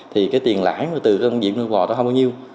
thì cái tiền lãi từ công việc nuôi bò đó không bao nhiêu